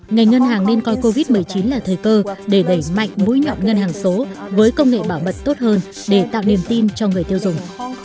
ngành ngân hàng nên coi covid một mươi chín là thời cơ để đẩy mạnh mũi nhọn ngân hàng số với công nghệ bảo mật tốt hơn để tạo niềm tin cho người tiêu dùng